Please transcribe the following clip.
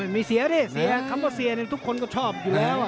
มีเสียเร่เสียคำว่าเสียทุกคนก็ชอบอยู่แล้ว